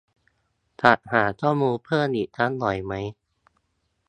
จะหาข้อมูลเพิ่มเติมอีกสักหน่อยไหม